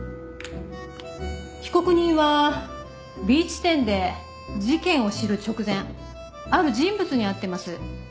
被告人はＢ地点で事件を知る直前ある人物に会ってます。